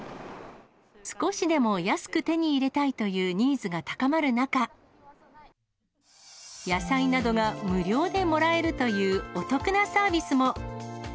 少しでも安く手に入れたいというニーズが高まる中、野菜などが無料でもらえるというお得なサービスも。